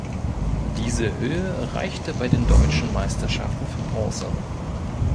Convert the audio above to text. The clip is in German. Diese Höhe reichte bei den Deutschen Meisterschaften für Bronze.